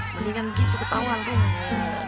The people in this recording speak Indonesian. mendingan gitu ketauan kan